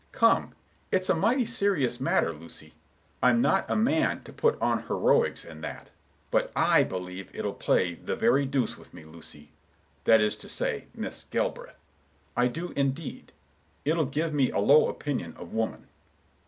Come, it's a mighty serious matter, Lucy. I'm not a man to put on heroics and that; but I believe it'll play the very deuce with me, Lucy,—that is to say, Miss Galbraith,—I do indeed. It'll give me a low opinion of woman."